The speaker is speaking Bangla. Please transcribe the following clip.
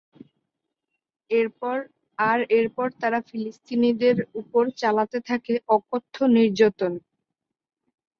আর এরপর তারা ফিলিস্তিনিদের উপর চালাতে থাকে অকথ্য নির্যাতন।